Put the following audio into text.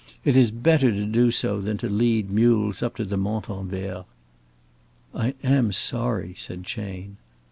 It is better to do so than to lead mules up to the Montanvert." "I am sorry," said Chayne.